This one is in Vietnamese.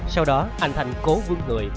sau đó anh thanh cố vương người